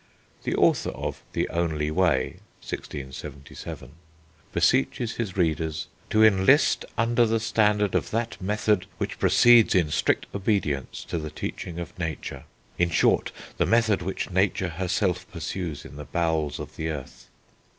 The author of The Only Way (1677) beseeches his readers "to enlist under the standard of that method which proceeds in strict obedience to the teaching of nature ... in short, the method which nature herself pursues in the bowels of the earth."